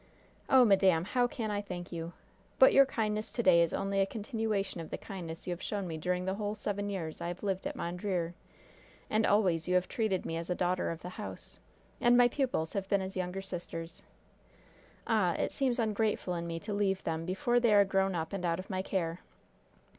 "Oh, madam! how can I thank you? But your kindness to day is only a continuation of the kindness you have shown me during the whole seven years I have lived at Mondreer. And always you have treated me as a daughter of the house. And my pupils have been as younger sisters. Ah! It seems ungrateful in me to leave them before they are grown up and out of my care."